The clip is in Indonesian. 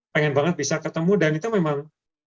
pengen banget bisa ketemu dan itu memang